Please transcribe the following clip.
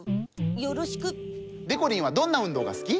でこりんはどんなうんどうがすき？